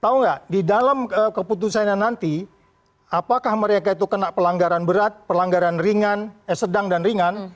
tau gak di dalam keputusan yang nanti apakah mereka itu kena pelanggaran berat pelanggaran ringan eh sedang dan ringan